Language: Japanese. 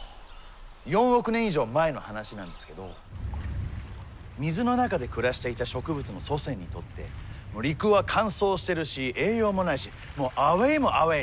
４億年以上前の話なんですけど水の中で暮らしていた植物の祖先にとって陸は乾燥してるし栄養もないしもうアウェーもアウェー。